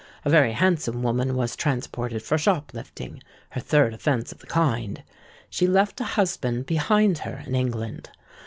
A very handsome woman was transported for shop lifting—her third offence of the kind. She left a husband behind her in England.